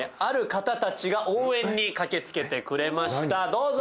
どうぞ。